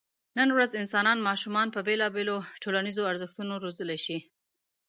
نن ورځ انسانان ماشومان په بېلابېلو ټولنیزو ارزښتونو روزلی شي.